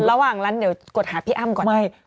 ระหว่างนั้นเดี๋ยวกดหาพี่อ้ำก่อน